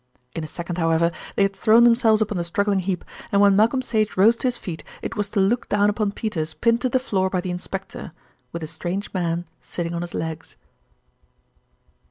In a second, however, they had thrown themselves upon the struggling heap, and when Malcolm Sage rose to his feet it was to look down upon Peters pinned to the floor by the inspector, with the strange man sitting on his legs.